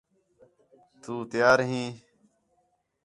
تُو تیار ہیں